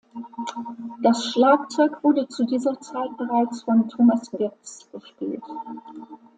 Das Schlagzeug wurde zu dieser Zeit bereits von Thomas Götz gespielt.